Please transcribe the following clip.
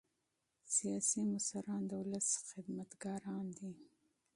سیاسي مشران د ولس خدمتګاران دي